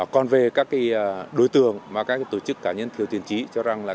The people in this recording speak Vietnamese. còn về các đối tượng mà các tổ chức cá nhân thiếu tiền trí cho rằng là